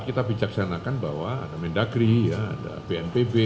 kita bijaksanakan bahwa ada mendagri ada bnpb